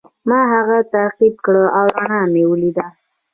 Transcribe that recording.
ما هغه تعقیب کړ او رڼا مې ولیده.